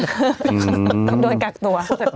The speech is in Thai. มันต้องโดนกักตัว